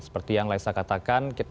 seperti yang laisa katakan